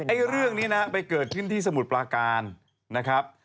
เรื่องนี้นะไปเกิดขึ้นที่สมุทรปลาการนะครับ